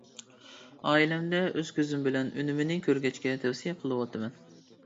ئائىلەمدە ئۆز كۆزۈم بىلەن ئۈنۈمىنى كۆرگەچكە تەۋسىيە قىلىۋاتىمەن.